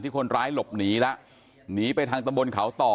คนร้ายหลบหนีแล้วหนีไปทางตำบลเขาต่อ